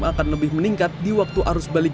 akan lebih meningkat di waktu arus balik